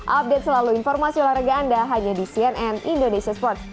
update selalu informasi olahraga anda hanya di cnn indonesia sports